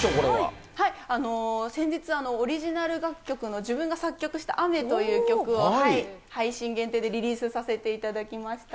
先日、オリジナル楽曲の、自分が作曲した雨という曲を、配信限定でリリースさせていただきました。